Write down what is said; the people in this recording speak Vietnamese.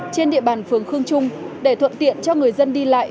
trên địa bàn phường khương trung để thuận tiện cho người dân đi lại